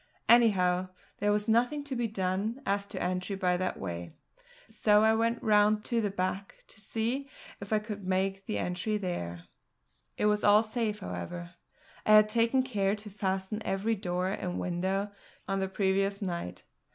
Anyhow, there was nothing to be done as to entry by that way, so I went round to the back to see if I could make an entry there. It was all safe, however; I had taken care to fasten every door and window on the previous night.